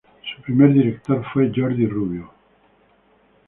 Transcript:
Su primer director fue Jordi Rubió.